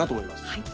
はい。